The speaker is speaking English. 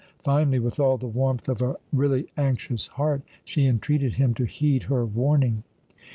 Finally, with all the warmth of a really anxious heart, she entreated him to heed her warning.